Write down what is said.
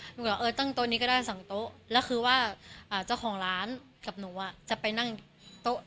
หนูก็เออตั้งโต๊ะนี้ก็ได้สองโต๊ะแล้วคือว่าเจ้าของร้านกับหนูจะไปนั่งโต๊ะ